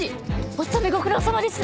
お勤めご苦労さまです！